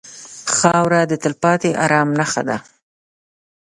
خاوره د تلپاتې ارام نښه ده.